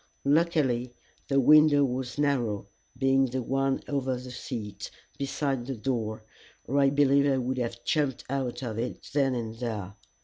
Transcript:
Luckily the window was narrow, being the one over the seat, beside the door, or I believe I would have jumped out of it then and there.